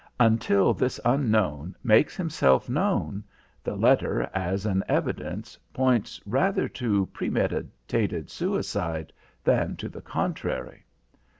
Until this Unknown makes himself known, the letter as an evidence points rather to premeditated suicide than to the contrary.